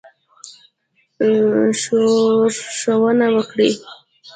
ښورښونه وکړي.